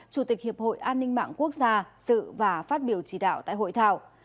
chủ tịch hiệp hội an ninh mạng quốc gia sự và phát biểu chỉ đạo tại hội thảo